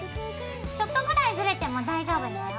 ちょっとぐらいずれても大丈夫だよ。